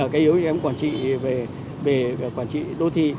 cái yếu kém quản trị về quản trị đô thị